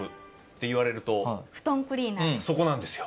そこなんですよ。